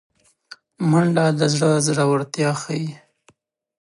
منډه د زړه زړورتیا ښيي